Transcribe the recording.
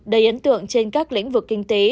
đầy ấn tượng trên các lĩnh vực kinh tế